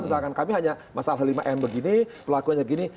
misalkan kami hanya masalah lima m begini pelakuannya begini